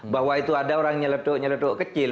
bahwa itu ada orang nyeletuk nyeletuk kecil